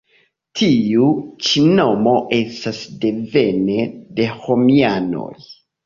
Tiu ĉi nomo estas devene de romianoj.